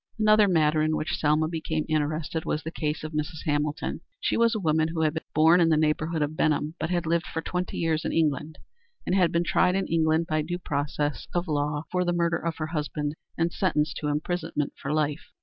Another matter in which Selma became interested was the case of Mrs. Hamilton. She was a woman who had been born in the neighborhood of Benham, but had lived for twenty years in England, and had been tried in England by due process of law for the murder of her husband and sentenced to imprisonment for life.